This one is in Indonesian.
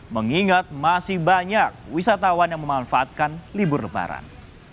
mengingat masih banyak wisatawan yang memanfaatkan libur lebaran